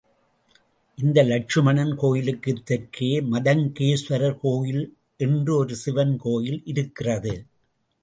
இந்த லட்சுமணன் கோயிலுக்குத் தெற்கே மதங்கேஸ்வரர் கோயில் என்று ஒரு சிவன் கோயில் இருக்கிறது.